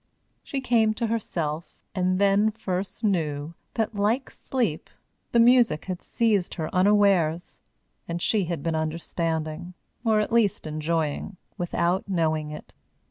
She came to herself, and then first knew that, like sleep, the music had seized her unawares, and she had been understanding, or at least enjoying, without knowing it.